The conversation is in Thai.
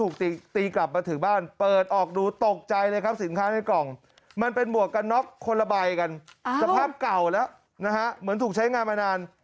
คนละบายกันสภาพเก่าแล้วเหมือนถูกใช้งานมานาน